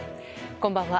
こんばんは。